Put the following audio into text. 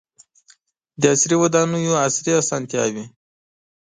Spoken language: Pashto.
• د عصري ودانیو عصري اسانتیاوې.